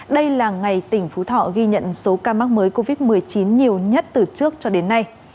đây là ngày tỉnh phú thọ ghi nhận số ca mắc mới covid một mươi chín nhiều nhất từ trước cho đến nay